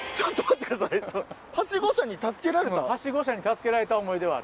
車に助けられた思い出はあるよ。